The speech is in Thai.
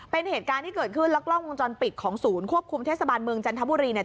เป็นเหตุการณ์ที่เกิดขึ้นแล้วกล้องวงจรปิดของศูนย์ควบคุมเทศบาลเมืองจันทบุรีเนี่ย